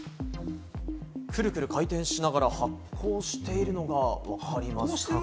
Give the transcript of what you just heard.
くるくる回転しながら発光しているのがわかります。